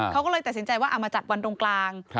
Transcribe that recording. เขาก็เลยตัดสินใจว่าเอามาจัดวันตรงกลาง